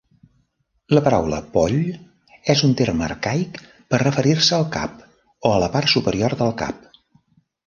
La paraula "poll" és un terme arcaic per referir-se al "cap" o a la "part superior del cap".